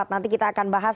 nanti kita akan bahas